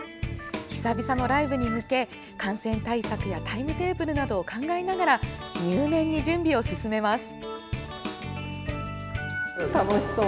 久々のライブに向け感染対策やタイムテーブルなどを考えながら入念に準備を進めます。